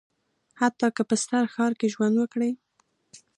حتی که په ستر ښار کې ژوند وکړي.